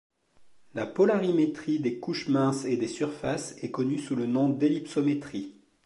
La polarimétrie des couches minces et des surfaces est connue sous le nom d'ellipsométrie.